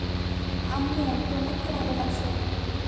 আম্মু তোমাকে অনেক ভালবাসে!